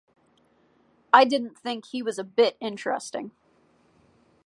I didn’t think he was a bit interesting.